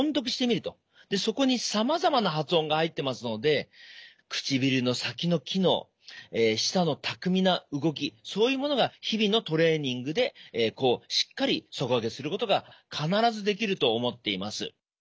でそこにさまざまな発音が入ってますので唇の先の機能舌の巧みな動きそういうものが日々のトレーニングでしっかり底上げすることが必ずできると思っています。